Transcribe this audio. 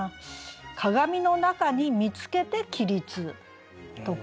「鏡の中に見つけて起立」とか。